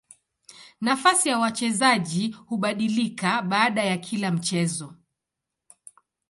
Nafasi ya wachezaji hubadilika baada ya kila mchezo.